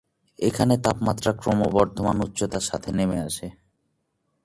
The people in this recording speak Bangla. এখানে তাপমাত্রা ক্রমবর্ধমান উচ্চতার সাথে নেমে আসে।